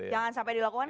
jangan sampai dilakukan